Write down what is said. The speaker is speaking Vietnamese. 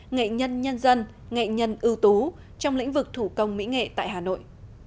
nghệ nhân nhân dân nghệ nhân ưu tú trong lĩnh vực thủ công mỹ nghệ tại hà nội